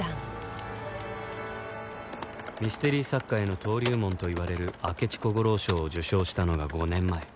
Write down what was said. ミステリ作家への登竜門といわれる明智小五郎賞を受賞したのが５年前